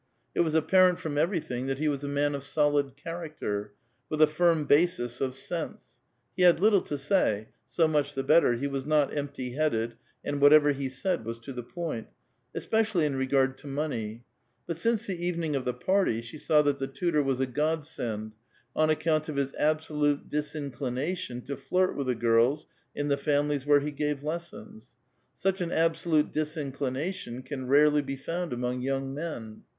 It was apparent from everything that he was a man of solid character, with a firm basis of sense ; he had little to say, — so much tlie better, he was not empty headed, and whatever he said w^as to the point, — especially in regard to money ; but since the evening of the party, she saw that the tutor was a God send, on account of his absolute disinclination to flirt with the girls in the families where he gave lessons. Such an absolute disinclination can rarely be found among young men.